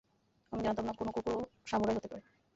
আমি জানতাম না কোনো কুকুরও সামুরাই হতে পারে।